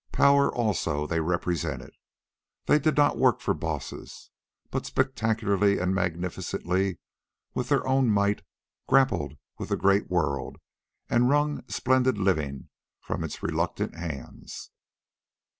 Power also they represented. They did not work for bosses, but spectacularly and magnificently, with their own might, grappled with the great world and wrung splendid living from its reluctant hands.